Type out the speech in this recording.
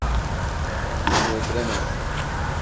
Beni öldüremezsin.